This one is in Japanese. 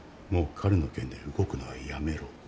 もう彼の件で動くのはやめろ。